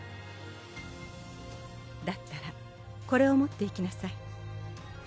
だったらこれを持って行きなさい